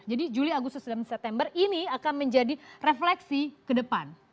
jadi juli agustus dan september ini akan menjadi refleksi ke depan